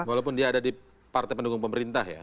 walaupun dia ada di partai pendukung pemerintah ya